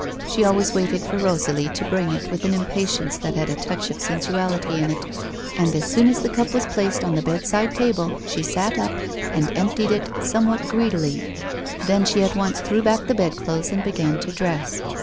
She always waited for Rosalie to bring it with an impatience that had a touch of sensuality in it, and as soon as the cup was placed on the bedside table she sat up, and emptied it, somewhat greedil}'. Then she at once threw back the bed clothes and began to dress.